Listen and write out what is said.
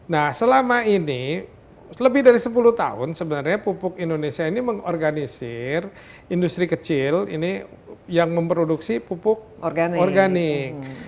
nah selama ini lebih dari sepuluh tahun sebenarnya pupuk indonesia ini mengorganisir industri kecil ini yang memproduksi pupuk organik